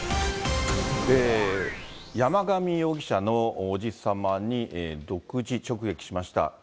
山上容疑者の伯父様に独自直撃しました。